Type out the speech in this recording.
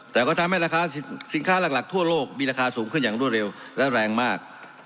แต่ก็ทำให้ราคาสินค้าหลักทั่วโลกมีราคาสูงขึ้นอย่างรวดเร็วและแรงมาก